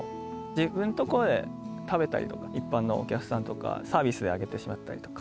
自分ところで食べたりだとか、一般のお客さんとか、サービスであげてしまったりとか。